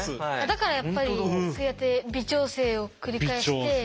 だからやっぱりそうやって微調整を繰り返して。